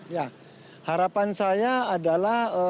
ya harapan saya adalah